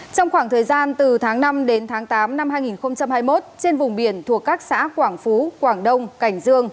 trong khoảng thời gian từ tháng năm đến tháng tám năm hai nghìn hai mươi một trên vùng biển thuộc các xã quảng phú quảng đông cảnh dương